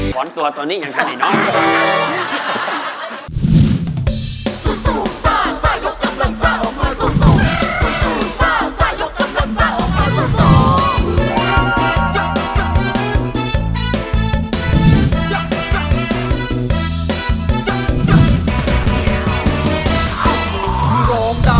ฝนตัวตอนนี้ยังค่ะเดี๋ยวน้อง